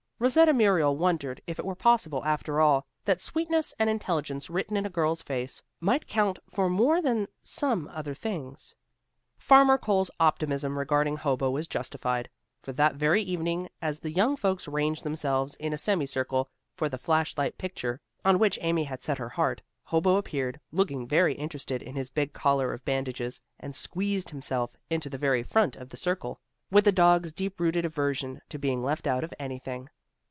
Rosetta Muriel wondered if it were possible, after all, that sweetness and intelligence written in a girl's face, might count for more than some other things. Farmer Cole's optimism regarding Hobo was justified. For that very evening as the young folks ranged themselves in a semi circle for the flash light picture, on which Amy had set her heart, Hobo appeared, looking very interesting in his big collar of bandages, and squeezed himself into the very front of the circle, with a dog's deep rooted aversion to being left out of anything.